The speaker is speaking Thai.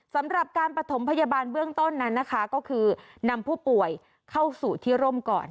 สำหรับการปฐมพยาบาลเบื้องต้นนั้นนะคะก็คือนำผู้ป่วยเข้าสู่ที่ร่มก่อน